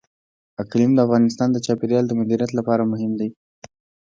اقلیم د افغانستان د چاپیریال د مدیریت لپاره مهم دي.